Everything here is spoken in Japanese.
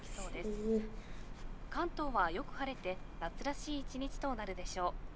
かん東はよく晴れて夏らしい一日となるでしょう。